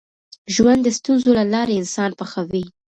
ژوند د ستونزو له لارې انسان پخوي.